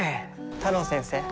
太郎先生。